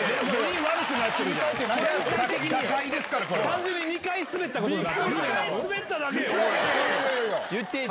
単純に２回スベったことになってる。